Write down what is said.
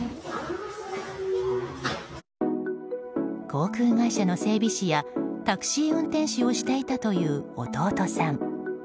航空会社の整備士やタクシー運転手をしていたという弟さん。